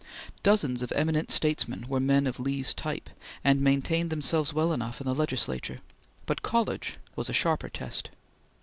Dozens of eminent statesmen were men of Lee's type, and maintained themselves well enough in the legislature, but college was a sharper test.